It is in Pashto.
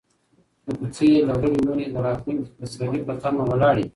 د کوڅې لغړې ونې د راتلونکي پسرلي په تمه ولاړې دي.